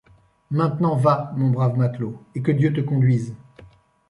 Maintenant, va, mon brave matelot, et que Dieu te conduise.